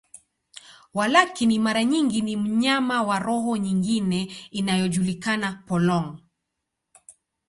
Walakini, mara nyingi ni mnyama wa roho nyingine inayojulikana, polong.